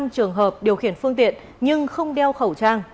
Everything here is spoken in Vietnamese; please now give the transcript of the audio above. năm trường hợp điều khiển phương tiện nhưng không đeo khẩu trang